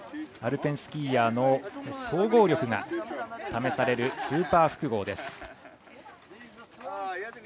アルペンスキーヤーの総合力が試されるスーパー複合です。